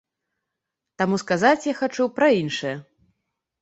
Таму сказаць я хачу пра іншае.